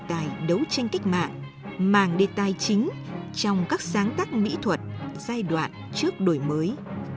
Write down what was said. tài đấu tranh cách mạng mang đề tài chính trong các sáng tác mỹ thuật giai đoạn trước đổi mới